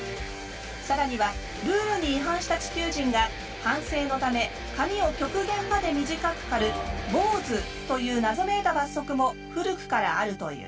更にはルールに違反した地球人が反省のため髪を極限まで短く刈る坊主という謎めいた罰則も古くからあるという。